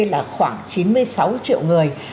là khoảng chín mươi sáu triệu người